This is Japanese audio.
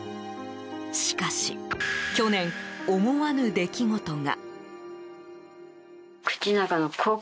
しかし、去年思わぬ出来事が。